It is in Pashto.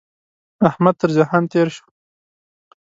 احمد تر جهان تېر شو.